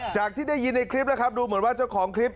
ที่ได้ยินในคลิปแล้วครับดูเหมือนว่าเจ้าของคลิป